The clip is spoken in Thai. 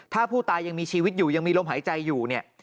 ถ้าผู้ตายยังมีชีวิตอยู่ยังมีลมหายใจอยู่เนี่ย